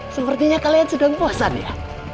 sepertinya kalian sudah puasan ya